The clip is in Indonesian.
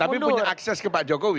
tapi punya akses ke pak jokowi